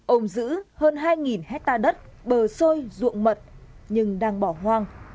ôm giữ hơn hai hectare đất bờ sôi ruộng mật nhưng đang bỏ hoang